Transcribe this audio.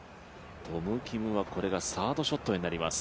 トム・キムはこれがサードショットになります。